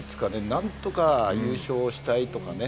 なんとか優勝したいとかね